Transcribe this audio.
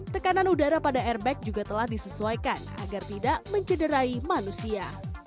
tekanan udara pada airbag juga telah disesuaikan agar tidak mencederai manusia